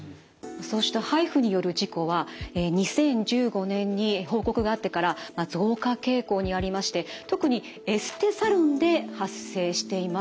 そうしたＨＩＦＵによる事故は２０１５年に報告があってから増加傾向にありまして特にエステサロンで発生しています。